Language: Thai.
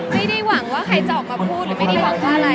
ไม่ได้หวังว่าใครจะออกมาพูดหรือไม่ได้หวังว่าอะไร